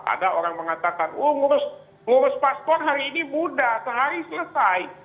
ada orang mengatakan ngurus paspor hari ini mudah sehari selesai